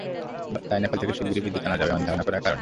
তাই নেপাল থেকে শিগগিরই বিদ্যুৎ আনা যাবে, এমন ধারণা করার কারণ নেই।